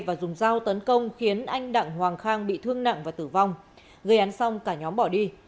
và dùng dao tấn công khiến anh đặng hoàng khang bị thương nặng và tử vong gây án xong cả nhóm bỏ đi